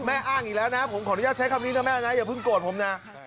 อ้างอีกแล้วนะผมขออนุญาตใช้คำนี้นะแม่นะอย่าเพิ่งโกรธผมนะ